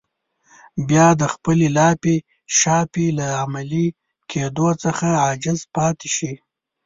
بيا د خپلې لاپې شاپې له عملي کېدو څخه عاجز پاتې شي.